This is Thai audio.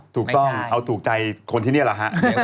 ถูกต้องเอาถูกใจคนที่นี่แหละฮะ